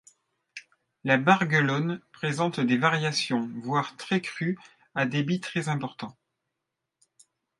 La Barguelonne présente des variations voire très crues à débits très importants.